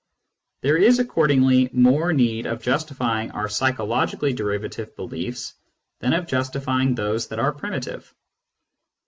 There is accordingly more need of justifying our psychologically derivative beliefs than of justifying those that are primitive.